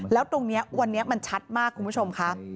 แล้วตรงนี้วันนี้มันชัดมากคุณผู้ชมค่ะ